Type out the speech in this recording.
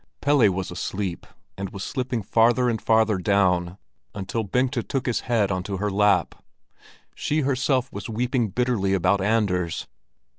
Pelle was asleep, and was slipping farther and farther down until Bengta took his head onto her lap. She herself was weeping bitterly about Anders.